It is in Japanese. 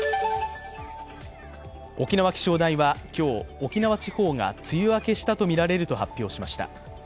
沖縄気象台は今日、沖縄地方が梅雨明けしたとみられると発表しました。